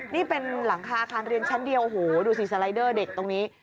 นี่เป็นหลังคาอาคารเรียนชั้นเดียวโอ้โหดูสิสไลเดอร์เด็กตรงนี้